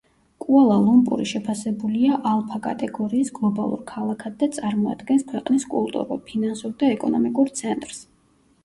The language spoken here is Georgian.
კუალა-ლუმპური შეფასებულია ალფა კატეგორიის გლობალურ ქალაქად და წარმოადგენს ქვეყნის კულტურულ, ფინანსურ და ეკონომიკურ ცენტრს.